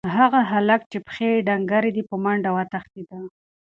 هغه هلک چې پښې یې ډنګرې دي، په منډه وتښتېد.